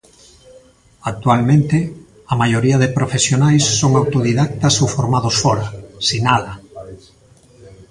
Actualmente, "a maioría de profesionais son autodidactas ou formados fóra", sinala.